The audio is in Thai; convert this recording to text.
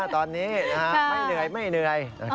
ตอนนี้ไม่เหนื่อย